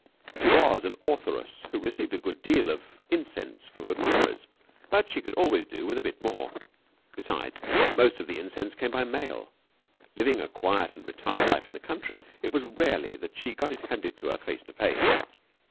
She was an authoress who received a good deal of incense from admirers, but she could always do with a bit more. Besides, most of the incense came by mail. Living a quiet and retired life in the country, it was rarely that she got it handed to her face to face.